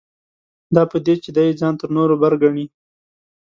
دا په دې چې دی ځان تر نورو بر ګڼي.